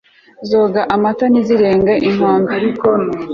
zoga amata, ntizirenge inkombe